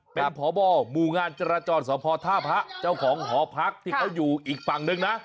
เป็นพบหมู่งานจราจรสพท่าพระเจ้าของหอพักที่เขาอยู่อีกฝั่งนึงนะ